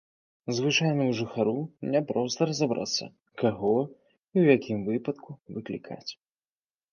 Звычайнаму жыхару няпроста разабрацца, каго і ў якім выпадку выклікаць.